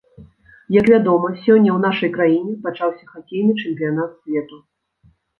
Як вядома, сёння ў нашай краіне пачаўся хакейны чэмпіянат свету.